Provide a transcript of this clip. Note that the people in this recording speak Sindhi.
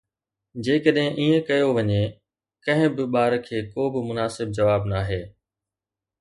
جيڪڏهن ائين ڪيو وڃي، ڪنهن به ٻار کي ڪو به مناسب جواب نه آهي